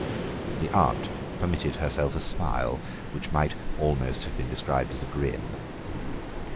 The aunt permitted herself a smile, which might almost have been described as a grin.